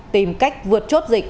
tìm cách vượt chốt dịch